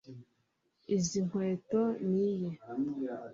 Izi nkweto ni iye